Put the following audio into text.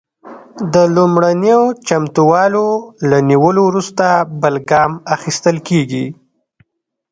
د لومړنیو چمتووالو له نیولو وروسته بل ګام اخیستل کیږي.